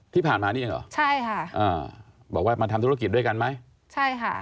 ที่ผ่านมานี่หรอบอกว่ามาทำธุรกิจด้วยกันไหม